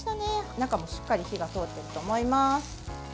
中もしっかり火が通っていると思います。